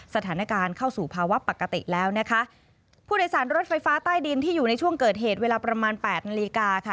สถานการณ์เข้าสู่ภาวะปกติแล้วนะคะผู้โดยสารรถไฟฟ้าใต้ดินที่อยู่ในช่วงเกิดเหตุเวลาประมาณแปดนาฬิกาค่ะ